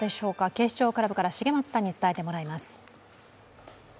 警視庁クラブから重松さんに伝えてもらいます。